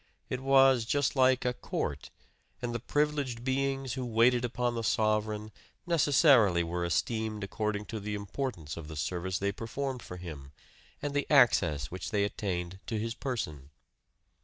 It was just like a court; and the privileged beings who waited upon the sovereign necessarily were esteemed according to the importance of the service they performed for him and the access which they attained to his person.